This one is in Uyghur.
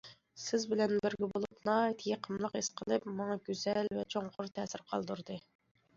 سىز بىلەن بىرگە بولۇپ ناھايىتى يېقىنلىق ھېس قىلىپ، ماڭا گۈزەل ۋە چوڭقۇر تەسىر قالدۇردى.